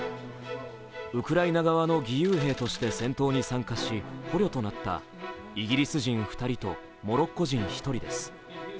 ウクライナ側の義勇兵として戦闘に参加し、捕虜となったイギリス人２人とモロッコ人１人です。